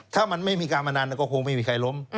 ถ้ามันไม่มีการพนันก็คงไม่มีใครล้ม